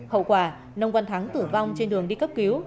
hậu quả nông văn thắng tử vong trên đường đi cấp cứu